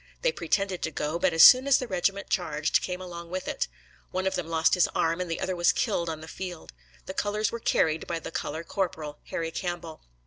They pretended to go, but as soon as the regiment charged came along with it. One of them lost his arm, and the other was killed on the field. The colors were carried by the color corporal, Harry Campbell.